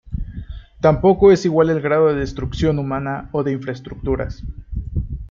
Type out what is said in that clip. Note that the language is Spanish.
Tampoco es igual el grado de destrucción humana o de infraestructuras.